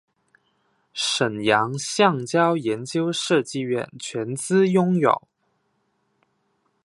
沈阳橡胶研究设计院全资拥有。